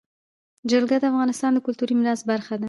جلګه د افغانستان د کلتوري میراث برخه ده.